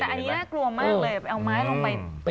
แต่อันนี้น่ากลัวมากเลยไปเอาไม้ลงไป